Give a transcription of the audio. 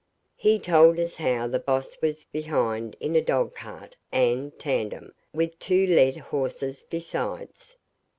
He told us how the boss was behind in a dogcart and tandem, with two led horses besides.